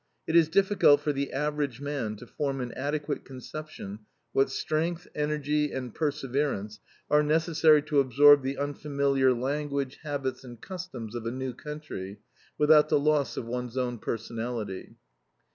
It is difficult for the average man to form an adequate conception what strength, energy, and perseverance are necessary to absorb the unfamiliar language, habits, and customs of a new country, without the loss of one's own personality.